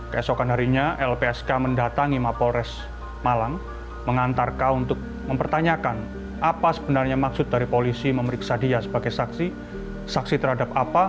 keesokan harinya lpsk mendatangi mapolres malang mengantar k untuk mempertanyakan apa sebenarnya maksud dari polisi memeriksa dia sebagai saksi saksi terhadap apa